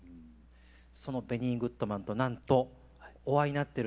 そのベニー・グッドマンとなんとお会いになってるんですね。